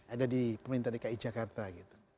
ada di pemerintah dki jakarta gitu